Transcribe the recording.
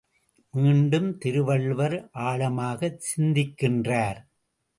மீண்டும் திருவள்ளுவர் ஆழமாகச் சிந்திக்கின்றார்!